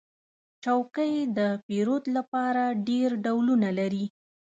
چوکۍ د پیرود لپاره ډېر ډولونه لري.